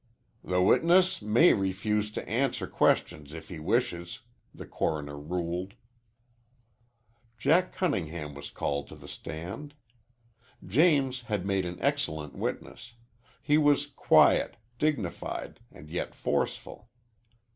"The witness may refuse to answer questions if he wishes," the coroner ruled. Jack Cunningham was called to the stand. James had made an excellent witness. He was quiet, dignified, and yet forceful.